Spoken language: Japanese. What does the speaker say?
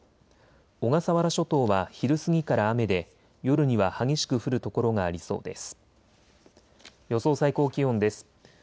小笠原諸島は昼過ぎから雨で夜には激しく降る所がありそうです。